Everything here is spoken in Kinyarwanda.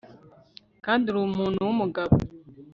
kandi uri umuntu wumugabo